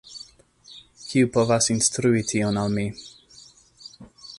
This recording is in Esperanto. Kiu povas instrui tion al mi?